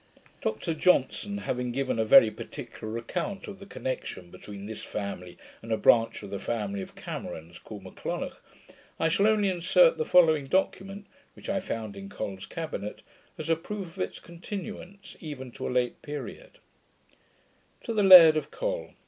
Dr Johnson having given a very particular account of the connection between this family and a branch of the family of Camerons, called M'Lonich, I shall only insert the following document (which I found in Col's cabinet), as a proof of its continuance, even to a late period: To the Laird of Col.